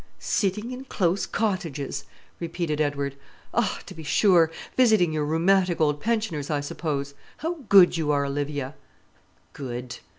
"Sitting in close cottages!" repeated Edward. "Ah, to be sure; visiting your rheumatic old pensioners, I suppose. How good you are, Olivia!" "Good!"